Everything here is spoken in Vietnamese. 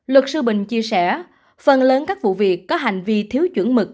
luật sư bình chia sẻ phần lớn các vụ việc có hành vi thiếu chuẩn mực